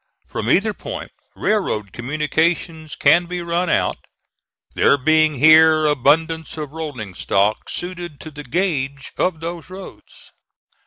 From either point, railroad communications can be run out, there being here abundance of rolling stock suited to the gauge of those roads.